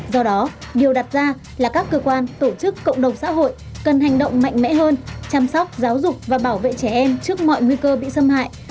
do đó điều đặt ra là các cơ quan tổ chức cộng đồng xã hội cần hành động mạnh mẽ hơn chăm sóc giáo dục và bảo vệ trẻ em trước mọi nguy cơ bị xâm hại